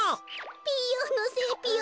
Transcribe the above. ピーヨンのせいぴよ。